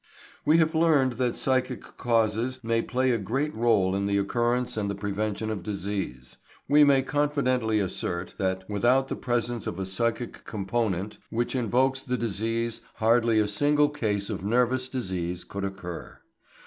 We have learned that psychic causes may play a great role in the occurrence and the prevention of disease. We may confidently assert that without the presence of a psychic component which invokes the disease hardly a single case of nervous disease could occur.